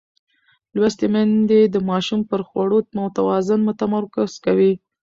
لوستې میندې د ماشوم پر خوړو متوازن تمرکز کوي.